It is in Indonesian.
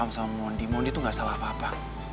gue yang salah paham sama mondi mondi tuh gak salah apa apa